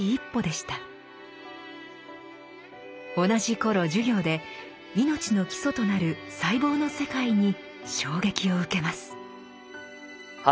同じ頃授業で命の基礎となる細胞の世界に衝撃を受けます。